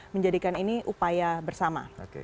menjadikan ini upaya bersama